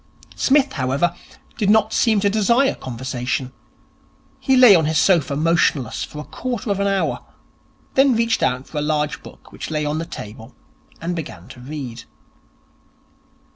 Psmith, however, did not seem to desire conversation. He lay on his sofa motionless for a quarter of an hour, then reached out for a large book which lay on the table, and began to read.